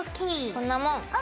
こんなもん！